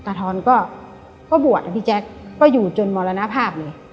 ทอนก็บวชนะพี่แจ๊คก็อยู่จนมรณภาพเลย